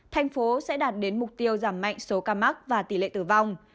thành phố sẽ đạt đến mục tiêu giảm mạnh số ca mắc và tỷ lệ tử vong